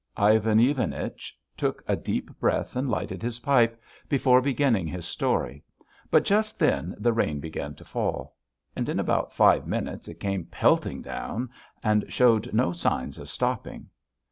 Ivan Ivanich took a deep breath and lighted his pipe before beginning his story, but just then the rain began to fall. And in about five minutes it came pelting down and showed no signs of stopping.